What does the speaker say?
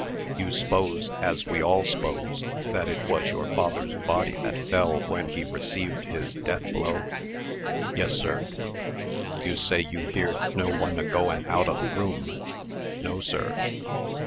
"You s'pose as we all s'pose that it was your father's body that fell, when he received his death blow?" "Yes, sir." "You say you heerd no one a goin' out o' the room?" "No, sir."